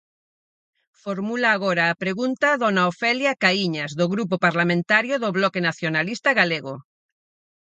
Formula agora a pregunta dona Ofelia Caíñas, do Grupo Parlamentario do Bloque Nacionalista Galego.